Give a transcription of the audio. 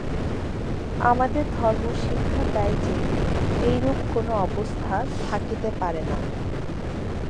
আমাদের ধর্ম শিক্ষা দেয় যে, এইরূপ কোন অবস্থা থাকিতে পারে না।